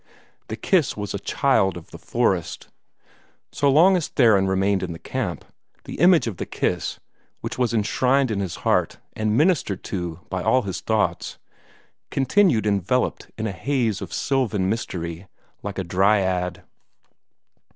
The kiss was a child of the forest. So long as Theron remained in the camp, the image of the kiss, which was enshrined in his heart and ministered to by all his thoughts, continued enveloped in a haze of sylvan mystery, like a dryad.